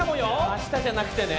明日じゃなくてね。